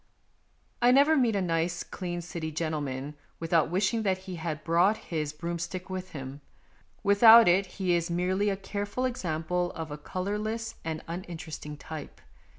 I never meet a nice, clean City gentleman without wishing that he had brought his 8 114 MONOLOGUES broomstick with him. Without it he is merely a careful example of a colourless and uninteresting type.